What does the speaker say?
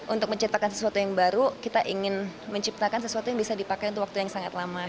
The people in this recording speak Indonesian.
untuk menciptakan sesuatu yang baru kita ingin menciptakan sesuatu yang bisa dipakai untuk waktu yang sangat lama